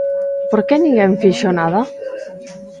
¿Por que ninguén fixo nada?